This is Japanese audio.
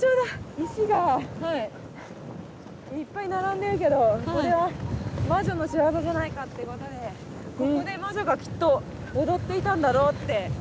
石がいっぱい並んでるけどこれは魔女の仕業じゃないかってことでここで魔女がきっと踊っていたんだろうって。